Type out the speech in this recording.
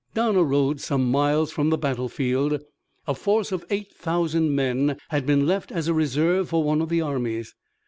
Down a road some miles from the battlefield a force of eight thousand men had been left as a reserve for one of the armies.